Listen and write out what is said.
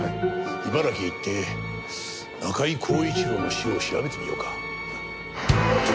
茨城へ行って中井恒一郎の死を調べてみようか。